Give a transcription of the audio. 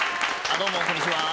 どうもこんにちは。